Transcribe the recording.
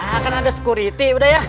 ya kan ada security udah ya